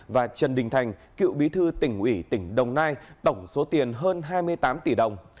và trần đình thành cựu bí thư tỉnh ủy tỉnh đồng nai tổng số tiền hơn hai mươi tám tỷ đồng